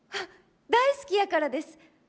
大好きやからです。